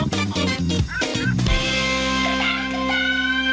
โปรดติดตามตอนต่อไป